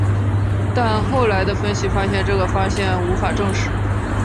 但后来的分析发现这个发现无法证实。